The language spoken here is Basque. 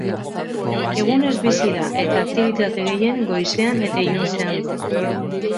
Egunez bizi da eta aktibitate gehien goizean eta iluntzean du.